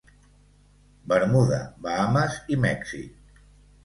Bermuda, Bahames i Mèxic.